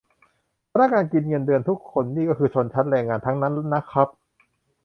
พนักงานกินเงินเดือนทุกคนนี่ก็คือชนชั้นแรงงานทั้งนั้นนะครับ